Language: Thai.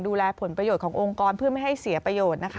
ดูแลผลประโยชน์ขององค์กรเพื่อไม่ให้เสียประโยชน์นะคะ